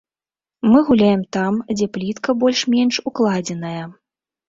Мы гуляем там, дзе плітка больш-менш укладзеная.